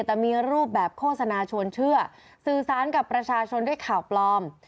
แต่มีรูปแบบโฆษณาชวนเชื่อสื่อสารกับประชาชนด้วยข่าวปลอม